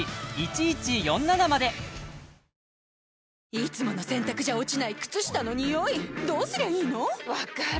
いつもの洗たくじゃ落ちない靴下のニオイどうすりゃいいの⁉分かる。